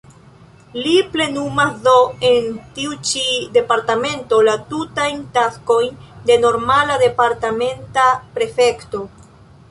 Li plenumas do en tiu ĉi departemento la tutajn taskojn de normala, departementa prefekto.